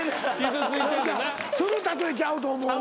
その例えちゃうと思うわ。